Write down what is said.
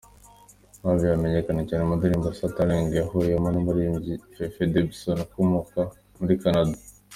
Navio yamenyekanye cyane mu ndirimbo ‘Stuttering’ yahuriyemo n’umuririmbyi Fefe Dobson ukomoka muri Canada.